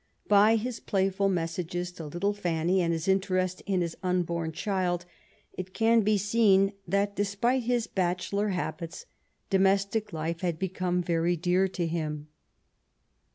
By his playful messages to little Fanny, and his interest in his unborn child, it can be seen that, despite his bachelor habits, domestic life had become very dear to him.